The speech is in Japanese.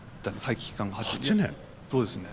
そうですね。